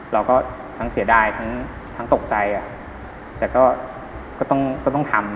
เราก็ทั้งเสียดายทั้งทั้งตกใจอ่ะแต่ก็ก็ต้องก็ต้องทำ